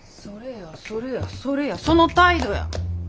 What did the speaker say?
それやそれやそれやその態度や。